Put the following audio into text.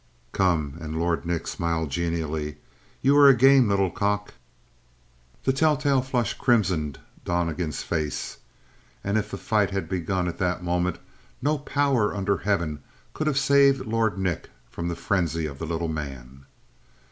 "Come," and Lord Nick smiled genially, "you are a game little cock!" The telltale flush crimsoned Donnegan's face. And if the fight had begun at that moment no power under heaven could have saved Lord Nick from the frenzy of the little man.